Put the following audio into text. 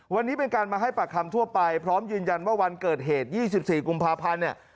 วันนี้เป็นการมาให้ปากคำทั่วไปพร้อมยืนยันว่าวันเกิดเหตุ๒๔กุมภาพันธ์เนี่ย